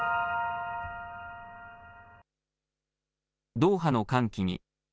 ドーハの歓喜に。